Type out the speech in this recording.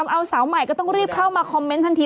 เอาสาวใหม่ก็ต้องรีบเข้ามาคอมเมนต์ทันที